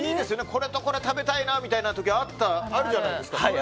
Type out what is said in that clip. これとこれ食べたいみたいな時あるじゃないですか。